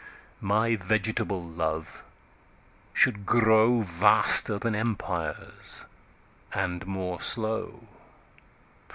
My vegetable Love should growVaster then Empires, and more slow.